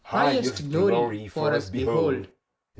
Highest glory for us behold.